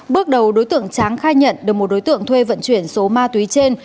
bước đầu đối tượng tráng khai nhận được một đối tượng thuê vận chuyển số ma túy trên